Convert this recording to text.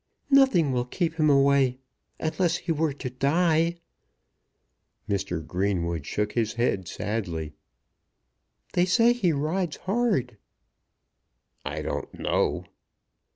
"Nothing will keep him away, unless he were to die." Mr. Greenwood shook his head sadly. "They say he rides hard." "I don't know."